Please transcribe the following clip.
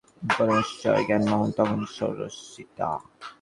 পরমেশ্বর যখন জ্ঞানময় তখন তিনি সরস্বতী।